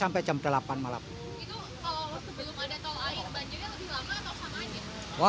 itu kalau sebelum ada tol air banjirnya lebih lama atau sama saja